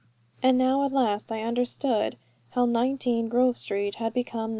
And now at last I understood how 19, Grove Street had become No.